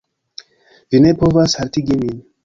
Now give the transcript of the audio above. vi ne povas haltigi min.